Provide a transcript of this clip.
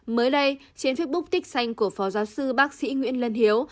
mới đây trên facebook tích xanh của phó giáo sư bác sĩ nguyễn lân hiếu